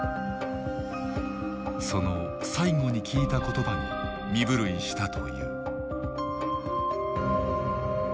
その最後に聞いた言葉に身震いしたという。